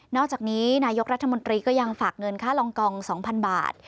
อกจากนี้นายกรัฐมนตรีก็ยังฝากเงินค่ารองกอง๒๐๐บาท